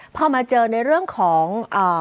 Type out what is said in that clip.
พอมาเจอในเรื่องของ